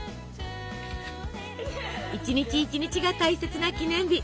一日一日が大切な記念日。